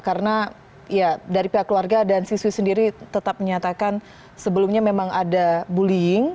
karena ya dari pihak keluarga dan siswi sendiri tetap menyatakan sebelumnya memang ada bullying